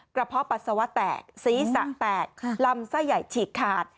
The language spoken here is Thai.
เพาะปัสสาวะแตกศีรษะแตกลำไส้ใหญ่ฉีกขาด